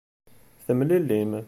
Temlellim.